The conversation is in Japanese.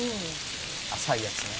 「浅いやつね」